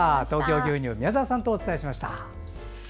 東京牛乳宮澤さんとお伝えしました。